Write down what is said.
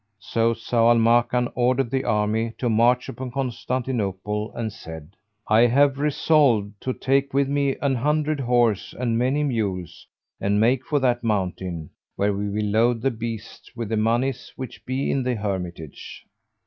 So Zau al Makan ordered the army to march upon Constantinople and said, "I have resolved to take with me an hundred horse and many mules and make for that mountain, where we will load the beasts with the monies which be in the hermitage."